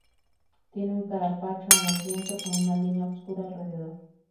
Tiene un carapacho amarillento, con una línea obscura alrededor.